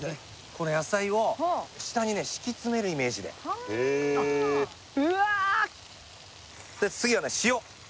この野菜を下にね敷き詰めるイメージでへえうわーっ塩！